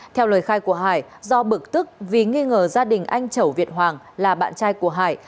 theo lời khai của hải do bực tức vì nghi ngờ gia đình anh chẩu việt hoàng là bạn trai của hải